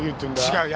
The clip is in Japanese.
違う。